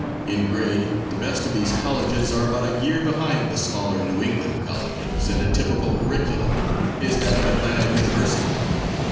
In grade the best of these colleges are about a year behind the smaller New England colleges and a typical curriculum is that of Atlanta University.